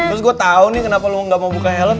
terus gue tau nih kenapa lo gak mau buka helm